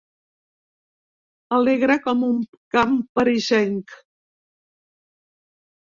Alegre com un camp parisenc.